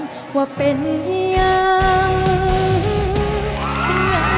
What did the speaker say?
สวัสดีครับ